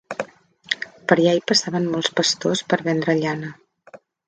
Per allà hi passaven molts pastors per vendre llana.